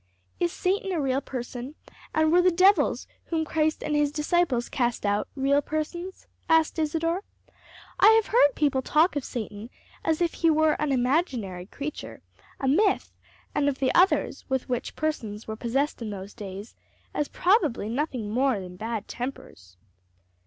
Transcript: "Is Satan a real person? and were the devils whom Christ and his disciples cast out, real persons?" asked Isadore. "I have heard people talk of Satan as if he were an imaginary creature, a myth; and of the others, with which persons were possessed in those days, as probably nothing more than bad tempers."